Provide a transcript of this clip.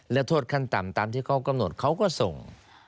และโทษขั้นต่ำตามที่เขากำหนดเขาก็ส่ง